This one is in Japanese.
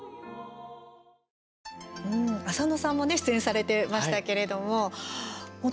浅野さんもね出演されてましたけれども本当、